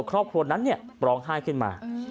ครอบครัวนั้นร้องไห้ขึ้นมา